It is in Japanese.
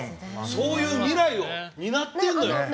そういう未来を担ってるよの。